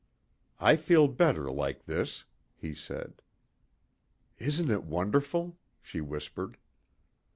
"I feel better like this," he said. "Isn't it wonderful," she whispered.